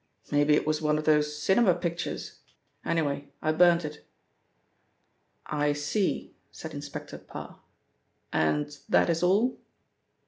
Maybe it was one of those cinema pictures. Anyway, I burnt it." "I see," said Inspector Parr. "And that is all?"